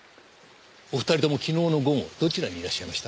お二人とも昨日の午後どちらにいらっしゃいました？